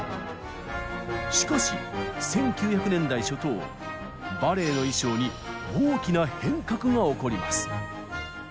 しかし１９００年代初頭バレエの衣装に大きな変革が起こります。